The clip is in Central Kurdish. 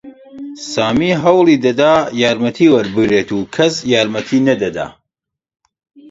سامی هەوڵی دەدا یارمەتی وەربگرێت و کەس یارمەتیی نەدەدا.